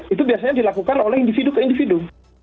itu biasanya dilakukan oleh individu ke individu